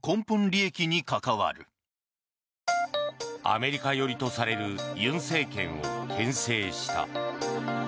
アメリカ寄りとされる尹政権を牽制した。